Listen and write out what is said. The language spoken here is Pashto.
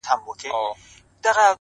o د انتظار خبري ډيري ښې دي ـ